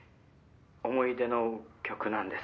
思い出の曲なんです」